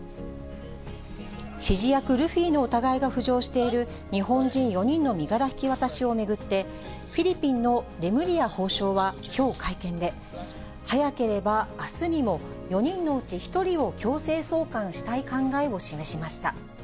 指示役、ルフィの疑いが浮上している日本人４人の身柄引き渡しを巡って、フィリピンのレムリヤ法相はきょう、会見で、早ければあすにも、４人のうち１人を強制送還したい考えを示しました。